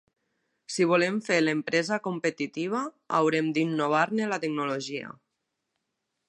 Si volem fer l'empresa competitiva, haurem d'innovar-ne la tecnologia.